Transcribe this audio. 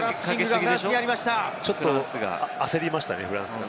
ちょっと焦りましたね、フランスが。